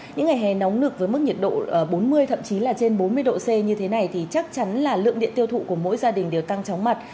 những ngày hè nóng nực với mức nhiệt độ bốn mươi thậm chí là trên bốn mươi độ c như thế này thì chắc chắn là lượng điện tiêu thụ của mỗi gia đình đều tăng chóng mặt